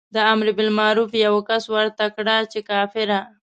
د امر بالمعروف یوه کس ورته کړه چې کافره.